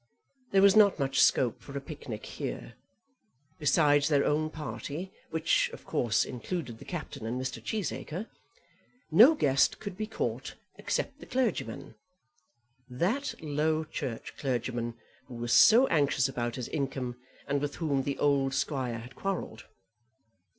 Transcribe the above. There was not much scope for a picnic here. Besides their own party, which, of course, included the Captain and Mr. Cheesacre, no guest could be caught except the clergyman; that low church clergyman, who was so anxious about his income, and with whom the old Squire had quarrelled.